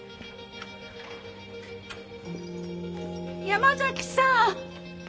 山崎さん！